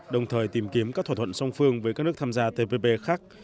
đồng thời tìm kiếm các thỏa thuận song phương với các nước tham gia tpp khác